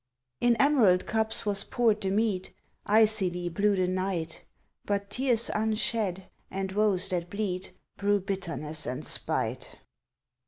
In emerald cups was poured the mead; Icily blew the night. (But tears unshed and woes that bleed Brew bitterness and spite.)